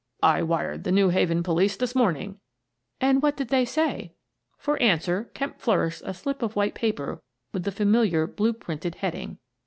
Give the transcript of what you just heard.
" I wired the New Haven police this morning." " And what did they say? " For answer, Kemp flourished a slip of white paper with the familiar blue printed heading.